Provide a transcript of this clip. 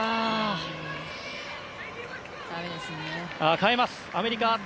代えます、アメリカ。